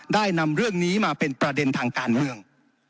ได้นำเรื่องนี้มาเป็นประเด็นทางการเมือง